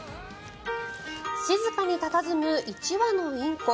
静かに佇む１羽のインコ。